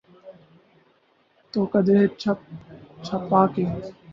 تو قدرے چھپ چھپا کے۔